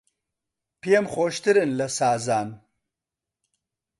پێم خۆشترن لە سازان